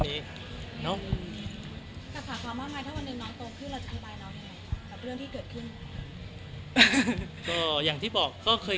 เรียกงานไปเรียบร้อยแล้ว